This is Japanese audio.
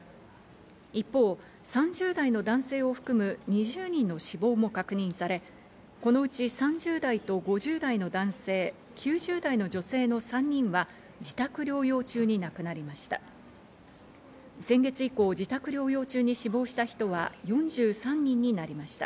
一方、３０代の男性を含む２０人の死亡も確認され、このうち３０代と５０代の男性、９０代の女性の３人は自宅療養中に亡くなりました。